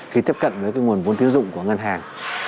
khi tiếp cận với nguồn vốn tiến dụng của ngân hàng